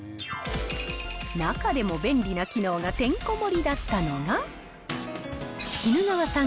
中でも便利な機能がてんこ盛りだったのが。